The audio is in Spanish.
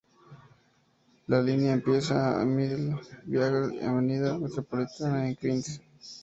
La línea empieza en Middle Village–Avenida Metropolitana en Queens.